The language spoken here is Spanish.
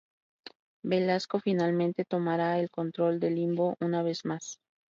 Belasco finalmente tomará el control del Limbo una vez más.